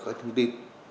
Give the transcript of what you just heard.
các thông tin